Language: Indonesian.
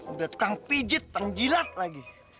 udah tukang pijit tenggilat lagi